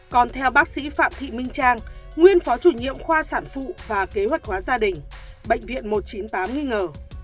còn theo bác sĩ phạm thị minh trang nguyên phó chủ nhiệm khoa sản phụ và kế hoạch hóa gia đình bệnh viện một trăm chín mươi tám nghi ngờ